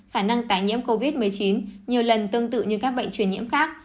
khả năng tái nhiễm covid một mươi chín nhiều lần tương tự như các bệnh truyền nhiễm khác